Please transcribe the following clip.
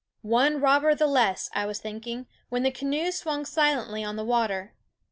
" One robber the less," I was thinking, when the canoe swung slightly on the water.